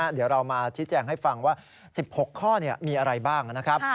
เดี๋ยวเรามาชี้แจงให้ฟังว่า๑๖ข้อมีอะไรบ้างนะครับ